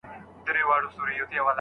په هوا کي ماڼۍ نه جوړېږي.